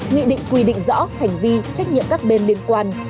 nghị định quy định rõ hành vi trách nhiệm các bên liên quan